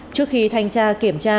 trước khi thanh tra kiểm tra